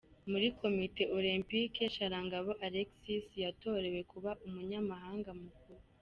Muri Komite Olempike, Sharangabo Alexis yatorewe kuba Umunyamabanga mukuru.